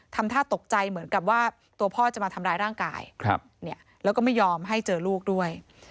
ทำท่าตกใจเหมือนกับว่าตัวพ่อจะมาทำร้ายร่างกายแล้วก็ไม่ยอมให้เจอลูกด้วย